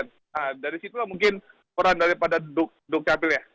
nah dari situlah mungkin peran daripada duk capil ya